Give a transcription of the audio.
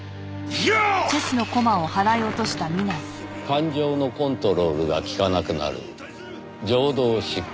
感情のコントロールが利かなくなる情動失禁